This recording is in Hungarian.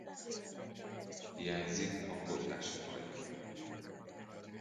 Hiányzik a kotlási hajlamuk.